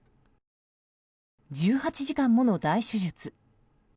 １８時間もの大手術。